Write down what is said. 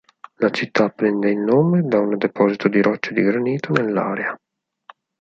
La città prende il nome da un deposito di rocce di granito nell'area.